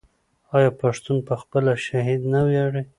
آیا پښتون په خپل شهید نه ویاړي؟